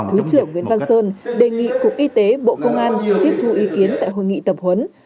thứ trưởng nguyễn văn sơn đề nghị cục y tế bộ công an ngừng tiếp thu ý kiến tại hội nghị tập huấn